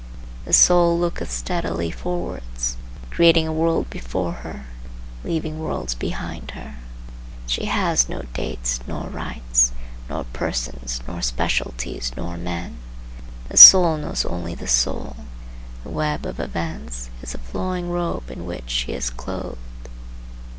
The soul looketh steadily forwards, creating a world before her, leaving worlds behind her. She has no dates, nor rites, nor persons, nor specialties nor men. The soul knows only the soul; the web of events is the flowing robe in which she is clothed.